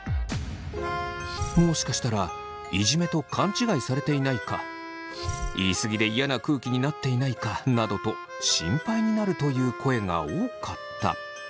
もしかしたらいじめと勘違いされていないか言い過ぎで嫌な空気になっていないかなどと心配になるという声が多かった。